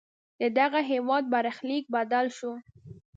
ددغه هېواد برخلیک بدل شو.